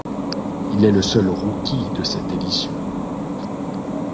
Il est le seul rookie de cette édition.